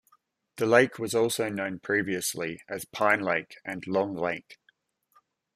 The lake was also known previously as Pine Lake and Long Lake.